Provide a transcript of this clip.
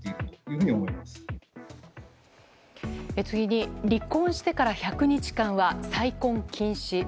次に離婚してから１００日間は再婚禁止。